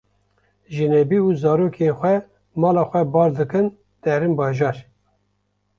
Jinebî û zarokên xwe mala xwe bar dikin derin bajêr